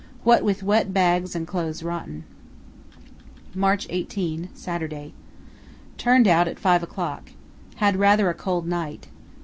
What with wet bags and clothes, rotten. "March 18, Saturday.—Turned out 5 o'clock. Had rather a cold night.